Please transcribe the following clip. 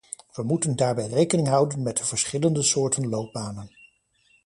We moeten daarbij rekening houden met de verschillende soorten loopbanen.